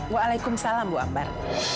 wa'alaikum salam bu ambar